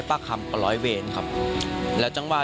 รถแสงทางหน้า